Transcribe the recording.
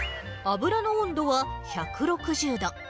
油の温度は１６０度。